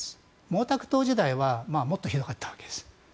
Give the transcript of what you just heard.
毛沢東時代はもっとひどかったわけです。